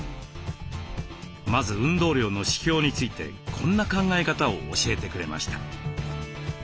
まず運動量の指標についてこんな考え方を教えてくれました。